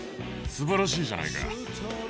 すばらしいじゃないか。